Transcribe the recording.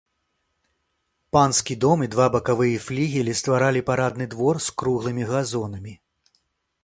Панскі дом і два бакавыя флігелі стваралі парадны двор з круглымі газонамі.